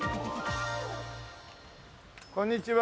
こんにちは。